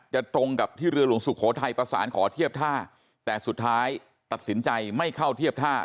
ตรงกับที่เรือหลวงสุโขทัยประสานขอเทียบท่าแต่สุดท้ายตัดสินใจไม่เข้าเทียบท่า